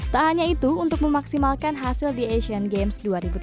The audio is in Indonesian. tak hanya itu untuk memaksimalkan hasil di asian games dua ribu delapan belas